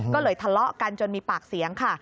ก็เลยทะเลาะกันจนมีปากเสียงค่ะ